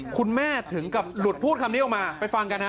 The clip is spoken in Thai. คุณแม่ถึงกับหลุดพูดคำนี้ออกมาไปฟังกันฮะ